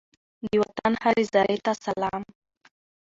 د وطن هرې زرې ته سلام!